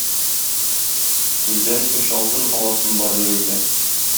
Сездән өч алтын аласым бар дип әйтә.